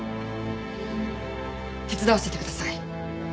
手伝わせてください。